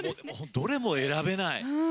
どれも選べない！